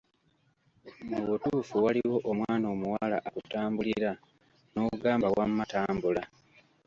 Mu butuufu waliwo omwana omuwala akutambulira n'ogamba wamma tambula.